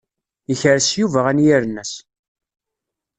Yekres Yuba anyir-nnes.